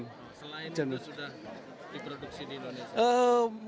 selain itu sudah diproduksi di indonesia